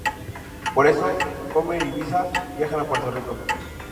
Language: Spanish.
Por esto, Homer y Lisa viajan a Puerto Rico.